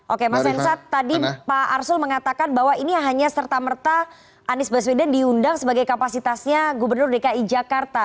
oke mas hensat tadi pak arsul mengatakan bahwa ini hanya serta merta anies baswedan diundang sebagai kapasitasnya gubernur dki jakarta